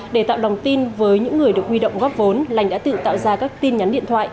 để tạo lòng tin với những người được huy động góp vốn lành đã tự tạo ra các tin nhắn điện thoại